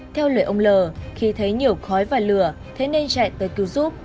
theo lời ông l khi thấy nhiều khói và lửa thế nên chạy tới cứu giúp